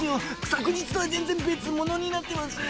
昨日とは全然別物になってますよ。